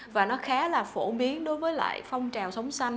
và nó khá là phổ biến đối với lại phong trào sống xanh